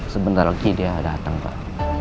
sebentar lagi dia datang pak